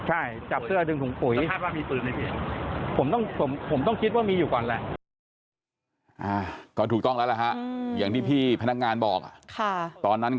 อ่าจับเสื้อวักถุงขุยใช่